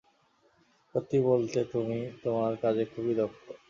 সত্যি বলতে তুমি তোমার কাজে খুবই দক্ষ।